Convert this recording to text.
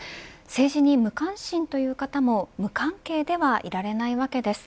政治に無関心という方も無関係ではいられないわけです。